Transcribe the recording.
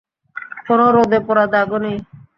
কোনো রোদে পোড়া দাগও নেই।